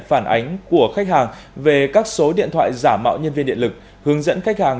phản ánh của khách hàng về các số điện thoại giả mạo nhân viên điện lực hướng dẫn khách hàng